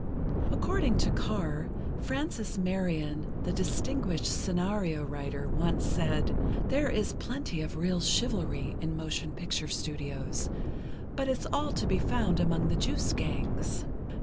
According to Carr, Frances Marion, the distinguished scenario writer, once said: "There is plenty of real chivalry in motion picture studios, but it's all to be found among the juice gangs."